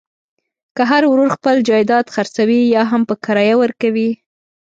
که هر ورور خپل جایداد خرڅوي یاهم په کرایه ورکوي.